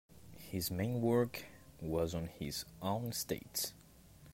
His main work was on his own estates.